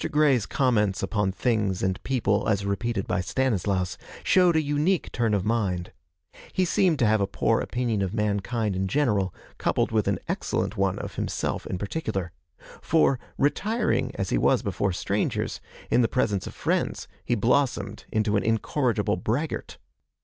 Grey's comments upon things and people, as repeated by Stanislaus, showed a unique turn of mind. He seemed to have a poor opinion of mankind in general, coupled with an excellent one of himself in particular; for, retiring as he was before strangers, in the presence of friends he blossomed into an incorrigible braggart.